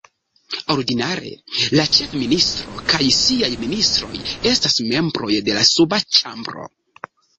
Ordinare, la ĉefministro kaj siaj ministroj estas membroj de la suba ĉambro.